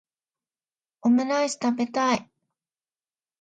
オムライス食べたい